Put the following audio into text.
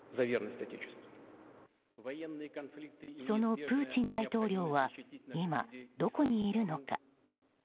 そのプーチン大統領は今、どこにいるのか。